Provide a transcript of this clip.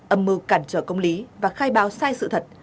âm mưu cản trở công lý và khai báo sai sự thật